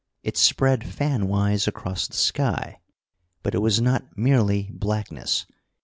It spread fanwise across the sky. But it was not merely blackness.